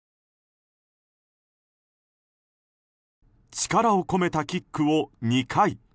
力を込めたキックを２回。